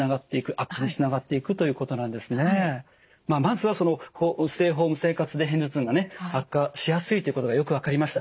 まあまずはステイホーム生活で片頭痛がね悪化しやすいということがよく分かりました。